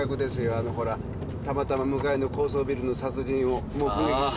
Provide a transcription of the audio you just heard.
あのほら「たまたま向かいの高層ビルの殺人を目撃してしまった」。